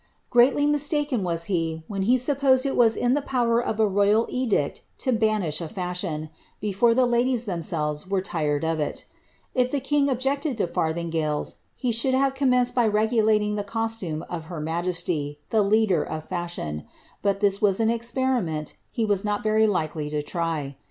Greatly mistaken was he, when he supposed it was in the power of a royal edict to banish a fashion, before the ladies themselves were tired of it If the king objected to farthingales, he should have commenced by regulating the costume of her majesty, the leader of fashion, but this was an experiment he was not very likely to try.